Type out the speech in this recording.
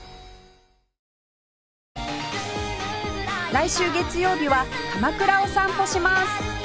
来週月曜日は鎌倉を散歩します